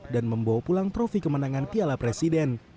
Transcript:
dan membawa pulang profi kemenangan piala presiden